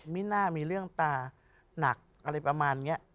ไม่น่ามีเรื่องตาหนักอะไรประมาณนี้